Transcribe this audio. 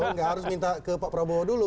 nggak harus minta ke pak prabowo dulu